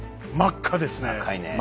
赤いねえ。